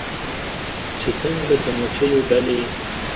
چې څنګه د مچېو ډلې